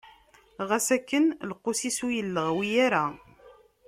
Ɣas akken, lqus-is ur illeɣwi ara.